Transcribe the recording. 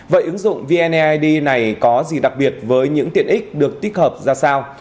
vậy ứng dụng vneid này có gì đặc biệt với những tiện ích được tích hợp ra sao